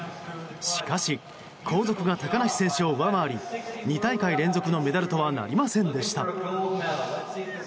しかし、後続が高梨選手を上回り２大会連続のメダルとはなりませんでした。